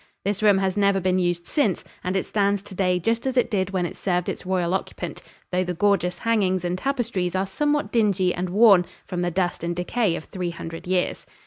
This room has never been used since and it stands today just as it did when it served its royal occupant, though the gorgeous hangings and tapestries are somewhat dingy and worn from the dust and decay of three hundred years.